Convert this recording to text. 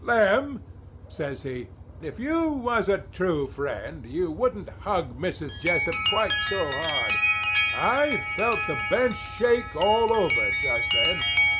"'Lem,' says he, 'if you was a true friend you wouldn't hug Mrs. Jessup quite so hard. I felt the bench shake all over just then.